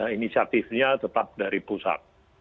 inisiatifnya tetap dari pusat